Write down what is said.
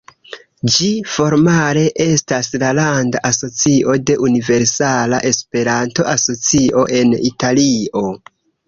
Ĝi formale estas la landa asocio de Universala Esperanto-Asocio en Italio.